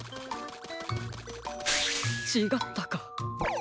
ちがったか。